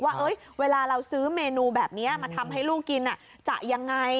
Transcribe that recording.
ว่าเวลาเราซื้อเมนูแบบนี้มาทำให้ลูกกินจะยังไง